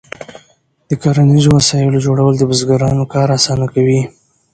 د کرنیزو وسایلو جوړول د بزګرانو کار اسانه کوي.